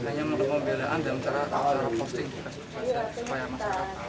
hanya membeli pembelaan dan cara posting supaya masyarakat